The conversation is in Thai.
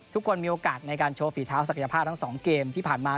ทุกคนมีโอกาสในการโชว์ฝีเท้าศักยภาพทั้ง๒เกมที่ผ่านมา